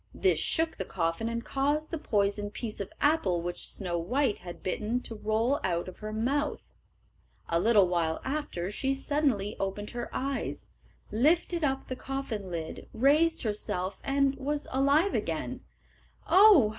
This shook the coffin, and caused the poisoned piece of apple which Snow white had bitten to roll out of her mouth. A little while after she suddenly opened her eyes, lifted up the coffin lid, raised herself and was again alive. "Oh!